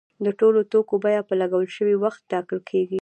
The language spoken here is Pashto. د ټولو توکو بیه په لګول شوي وخت ټاکل کیږي.